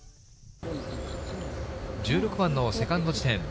１６番のセカンド地点。